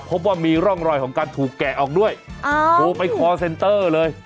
พบว่ามีร่องรอยของการถูกแกะออกด้วยโทรไปคอร์เซนเตอร์เลย